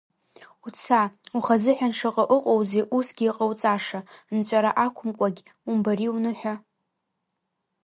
Уца, ухазыҳәан шаҟа ыҟоузеи усгьы иҟоуҵаша, нҵәара ақәымкәагь умбари уныҳәа.